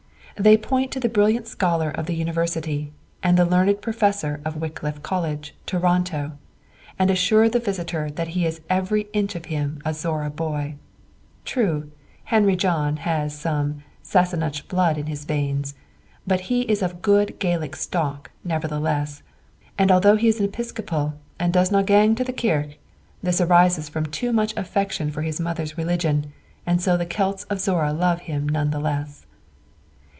They point to the brilliant scholar of the university, and the learned professor of Wycliffe College, Toronto, and assure the visitor that he is every inch of him a Zorra boy. True, Henry John has some Sassenach blood in his veins, but he is of good Gaelic stock, nevertheless; and although he is an Episcopal and doesna' gang to the kirk, this arises from too much affection for his mother's religion, and so the Celts of Zorra love him none the less.